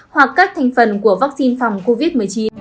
hoặc các thành phần của vaccine phòng covid một mươi chín